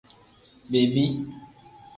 Bebi.